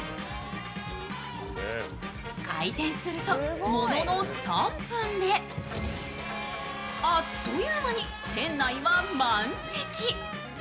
開店すると、ものの３分であっという間に店内は満席。